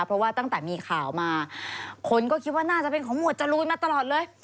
เพราะว่าตั้งแต่มีข่าวมาคนก็คิดว่าน่าจะเป็นของหวดจรูนมาตลอดเลย